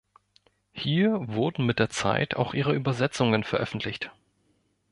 Hier wurden mit der Zeit auch ihre Übersetzungen veröffentlicht.